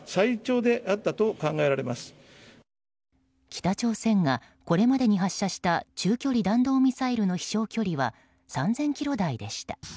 北朝鮮がこれまでに発射した中距離弾道ミサイルの飛翔距離は３０００ｋｍ台でした。